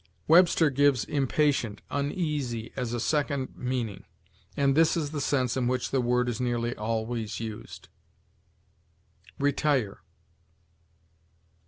Webster gives impatient, uneasy, as a second meaning; and this is the sense in which the word is nearly always used. RETIRE.